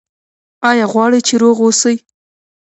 ایا غواړئ چې روغ اوسئ؟